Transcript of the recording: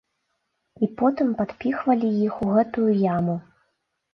І потым падпіхвалі іх у гэтую яму.